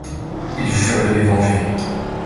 Il jure de les venger.